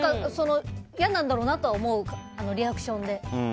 嫌なんだろうなとは思うリアクションで。